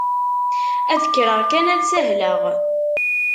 Ad kkreɣ kan ad sahleɣ.